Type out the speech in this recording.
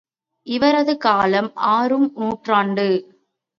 இவரது காலம் ஆறு ம் நூற்றாண்டு.